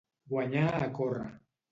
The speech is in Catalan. Guanyar a córrer.